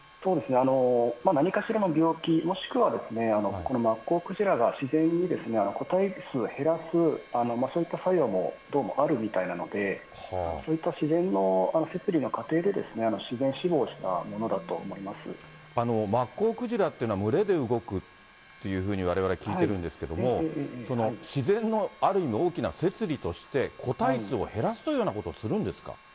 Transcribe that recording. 何かしらの病気、もしくはこのマッコウクジラが自然に個体数を減らす、そういった作用もどうもあるみたいなので、そういった自然の摂理の過程で、マッコウクジラっていうのは、群れで動くっていうふうにわれわれ聞いてるんですけども、その自然のある意味、大きな摂理として、個体数を減らすというようなことをするんですか？